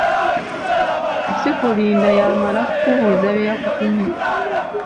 Si kulinda y'amale kukubuuza bye yakutumye.